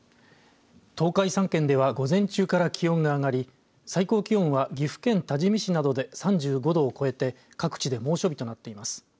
東海３県では午前中から気温が上がり最高気温は岐阜県多治見市などで３５度を超えて各地で猛暑日となっています。